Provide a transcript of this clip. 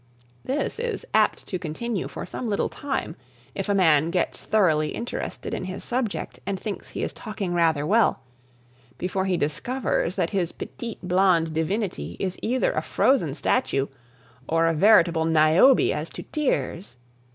This is apt to continue for some little time, if a man gets thoroughly interested in his subject and thinks he is talking rather well, before he discovers that his petite blonde divinity is either a frozen statue, or a veritable Niobe as to tears.